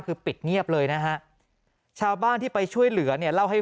คือปิดเงียบเลยนะฮะชาวบ้านที่ไปช่วยเหลือเนี่ยเล่าให้